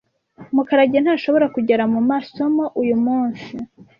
Mukarage ntashobora kugera mumasomo uyumunsi.